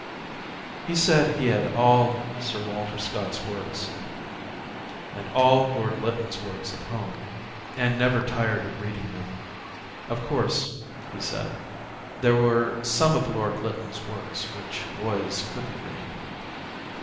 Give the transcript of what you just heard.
He said he had all Sir Walter Scott's works and all Lord Lytton's works at home and never tired of reading them. "Of course," he said, "there were some of Lord Lytton's works which boys couldn't read."